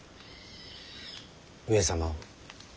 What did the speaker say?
上様を。